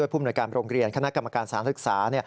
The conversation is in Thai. ภูมิหน่วยการโรงเรียนคณะกรรมการสถานศึกษา